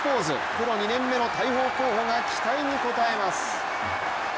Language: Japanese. プロ２年目の大砲候補が期待に応えます。